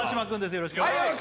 よろしくお願いします